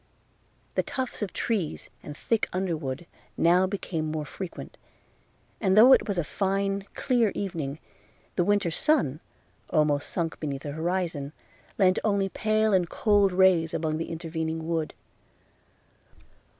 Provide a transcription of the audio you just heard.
The tufts of trees and thick underwood now became more frequent; and though it was a fine, clear evening, the winter sun, almost sunk beneath the horizon, lent only pale and cold rays among the intervening wood.